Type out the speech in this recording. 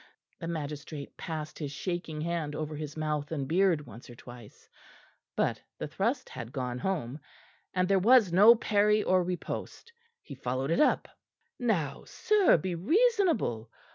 The magistrate passed his shaking hand over his mouth and beard once or twice; but the thrust had gone home, and there was no parry or riposte. He followed it up. "Now, sir, be reasonable.